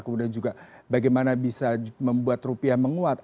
kemudian juga bagaimana bisa membuat rupiah menguat